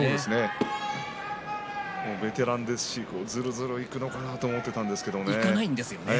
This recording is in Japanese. ベテランですしねこのままいくのかなと思っていたんですね。